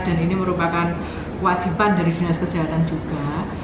dan ini merupakan wajiban dari dinas kesehatan juga